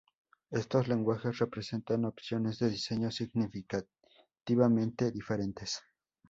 Estos lenguajes representan opciones de diseño significativamente diferentes.